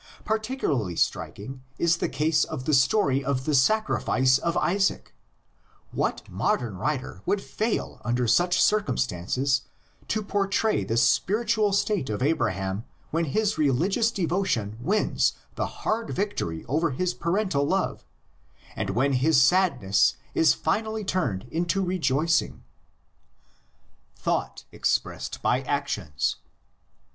Particularly striking is the case of the story of the sacrifice of Isaac: what modern writer would fail under such circumstances to portray the spiritual state of Abraham when his religious devotion wins the hard victory over his parental love, and when his sadness is finally turned into rejoicing! 60 THE LEGENDS OF GENESIS. THOUGHT EXPRESSED BY ACTIONS.